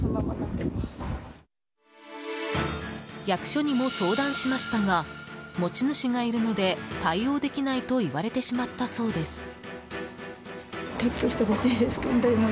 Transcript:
役所にも相談しましたが持ち主がいるので対応できないと言われてしまったそうです。